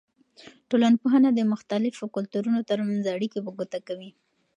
ټولنپوهنه د مختلفو کلتورونو ترمنځ اړیکې په ګوته کوي.